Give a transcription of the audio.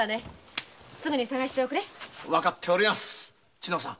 千乃さん